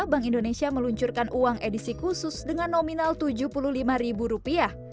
bank indonesia meluncurkan uang edisi khusus dengan nominal rp tujuh puluh lima ribu rupiah